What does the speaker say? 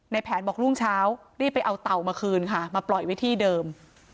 แผนบอกรุ่งเช้ารีบไปเอาเต่ามาคืนค่ะมาปล่อยไว้ที่เดิม